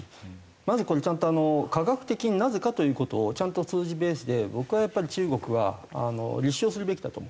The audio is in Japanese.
まずこれちゃんと科学的になぜかという事をちゃんと数字ベースで僕はやっぱり中国は立証するべきだと思う。